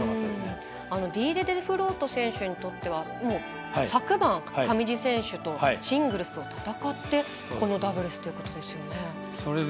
ディーデ・デフロート選手にとっては昨晩、上地選手とシングルスを戦ってこのダブルスということですよね。